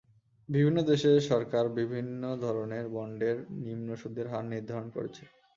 বিভিন্ন দেশের সরকার বিভিন্ন ধরনের বন্ডের নিম্ন সুদের হার নির্ধারণ করেছে।